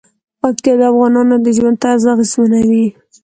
پکتیا د افغانانو د ژوند طرز اغېزمنوي.